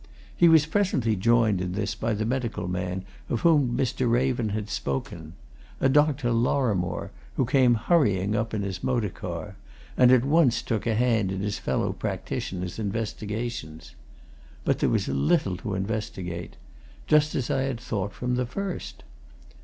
He was presently joined in this by the medical man of whom Mr. Raven had spoken a Dr. Lorrimore, who came hurrying up in his motor car, and at once took a hand in his fellow practitioner's investigations. But there was little to investigate just as I had thought from the first.